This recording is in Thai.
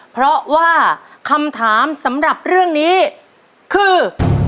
เพราะว่าคำถามสำหรับเรื่องนี้คือ